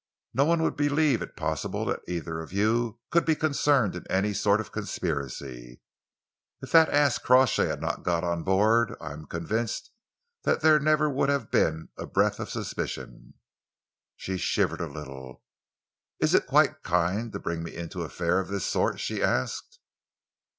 No one would believe it possible that either of you could be concerned in any sort of conspiracy. If that ass Crawshay had not got on board, I am convinced that there would never have been a breath of suspicion." She shivered a little. "Is it quite kind to bring me into an affair of this sort?" she asked.